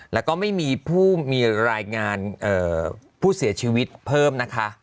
แล้วก็ไม่มีผู้มีรายงานผู้เสียชีวิตเพิ่มนะคะ